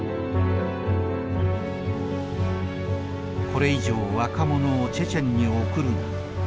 これ以上若者をチェチェンに送るな。